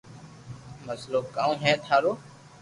مسلو ڪاو ھي ٿارو